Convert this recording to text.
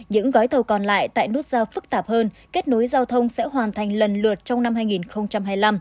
những gói thầu còn lại tại nút giao phức tạp hơn kết nối giao thông sẽ hoàn thành lần lượt trong năm hai nghìn hai mươi năm